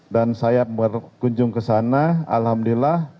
saya berkunjung ke sana alhamdulillah